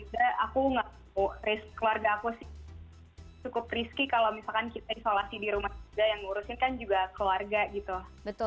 dan juga aku nggak tahu keluarga aku sih cukup riski kalau misalkan kita isolasi di rumah juga yang ngurusin kan juga keluarga gitu